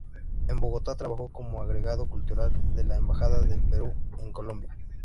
En Bogotá trabajó como agregado cultural de la Embajada del Perú en Colombia.